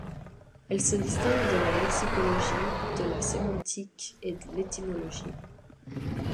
Elle se distingue de la lexicologie, de la sémantique et de l'étymologie.